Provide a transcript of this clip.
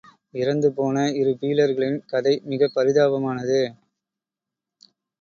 இறந்துபோன இரு பீலர்களின் கதை மிகப் பரிதாபமானது.